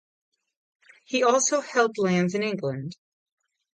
He also held lands in England.